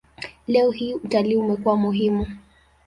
Leo hii utalii umekuwa muhimu.